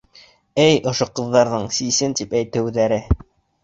Эй, ошо ҡыҙҙарҙың сисен тип әйтеүҙәре!